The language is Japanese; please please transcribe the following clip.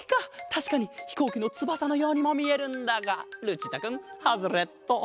たしかにひこうきのつばさのようにもみえるんだがルチータくんハズレット！